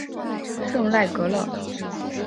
圣赖格勒。